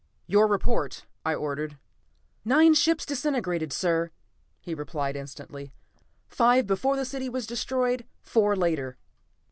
"Your report," I ordered. "Nine ships disintegrated, sir," he replied instantly. "Five before the city was destroyed, four later."